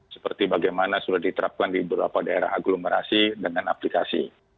seperti bagaimana sudah diterapkan di beberapa daerah aglomerasi dengan aplikasi